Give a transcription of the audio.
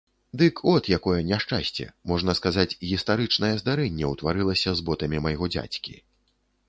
Дык от якое няшчасце, можна сказаць, гістарычнае здарэнне ўтварылася з ботамі майго дзядзькі.